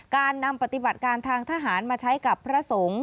การนำปฏิบัติการทางทหารมาใช้กับพระสงฆ์